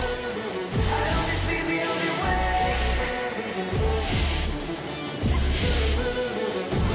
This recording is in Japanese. すごい！